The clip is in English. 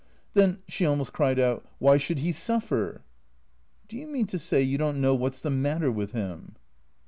"Then" (she almost cried it) "why should he suffer?" " Do you mean to say you don't know what 's the matter with him